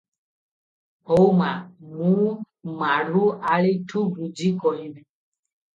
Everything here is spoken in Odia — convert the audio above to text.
ହଉ ମା, ମୁଁ ମାଢ଼ୁ ଆଳିଠୁ ବୁଝି କହିବି ।"